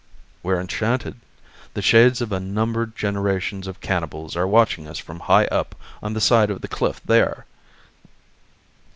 "We're enchanted. The shades of unnumbered generations of cannibals are watching us from high up on the side of the cliff there."